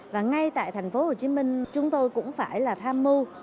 và ngay tại thành phố hồ chí minh chúng tôi cũng phải là tham mưu